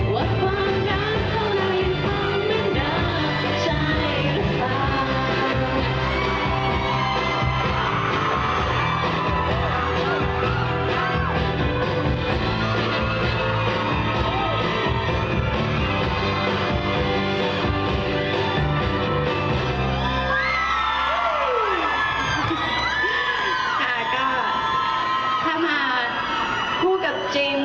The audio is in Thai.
บอกฝากฉันในฉาก็ใจซะที